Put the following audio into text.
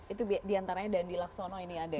itu diantaranya dandi laksono ini ada